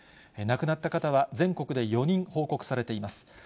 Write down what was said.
亡くなった方は全国で４人報告されています。